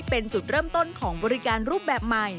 เป็นจุดเริ่มต้นของบริการรูปแบบใหม่